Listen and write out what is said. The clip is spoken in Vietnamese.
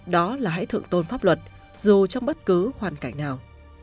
đó là hãy thượng tôn pháp luật dù trong bất cứ hoàn cảnh nào